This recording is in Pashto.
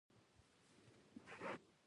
الماري کې ځینې وخت وسلې هم پټې وي